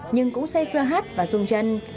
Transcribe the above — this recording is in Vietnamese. nhưng cũng xây xưa hát và dùng chân